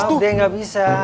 atau dia enggak bisa